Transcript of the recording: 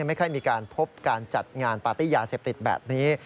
ไม่ค่อยมีการพบการจัดงานปาร์ตี้ยาเสพติดแบบนี้